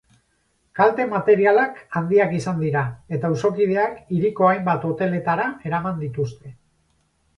Kalte materialak handiak izan dira eta auzokideak hiriko hainbat hoteletara eraman dituzte.